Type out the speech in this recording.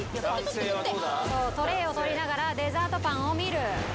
トレーを取りながら、デザートパンを見る。